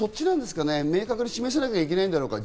明確に示さなきゃいけないんだろうか。